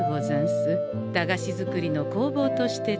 駄菓子作りの工房として使いたいので。